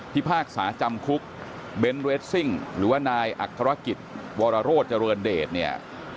ที่ภาคสาจำคุกเบนเรดซิ่งหรือว่านายอักตรกิจวรโลชรรวรเดศเนี่ย